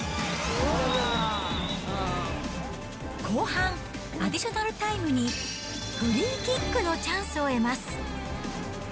後半アディショナルタイムに、フリーキックのチャンスを得ます。